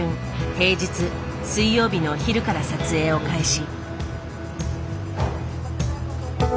平日水曜日のお昼から撮影を開始。